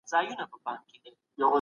وينه تويول بس دي.